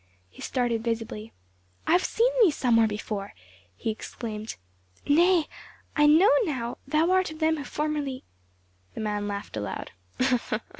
He started visibly. "I have somewhere seen thee before!" he exclaimed. "Nay I know now, thou art of them who formerly " The man laughed aloud.